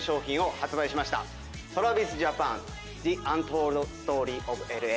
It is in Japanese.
『ＴｒａｖｉｓＪａｐａｎ−ＴｈｅｕｎｔｏｌｄｓｔｏｒｙｏｆＬＡ−』